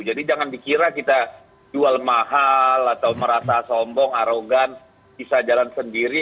jadi jangan dikira kita jual mahal atau merasa sombong arogan bisa jalan sendiri